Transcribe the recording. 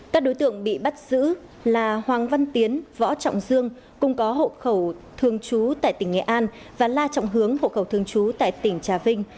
các đối tượng bị bắt giữ là hoàng văn tiến võ trọng dương cùng có hộ khẩu thương chú tại tỉnh nghệ an và la trọng hướng hộ khẩu thương chú tại tỉnh trà vinh